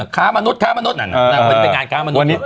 ค้ามนุษย์ค้ามนุษย์อ่าหลังไปแต่งด้านค้ามนุษย์